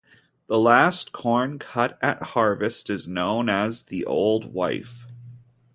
The last corn cut at harvest is known as the Old Wife.